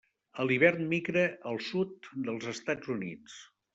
A l'hivern migra el sud dels Estats Units.